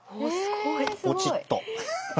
ポチッと。